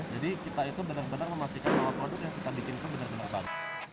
jadi kita itu benar benar memastikan sama produk yang kita bikin itu benar benar bagus